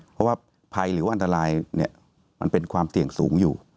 เพราะว่าภัยหรือว่าอันตรายมันเป็นความเสี่ยงสูงอยู่